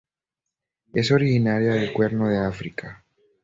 Es originaria del Cuerno de África.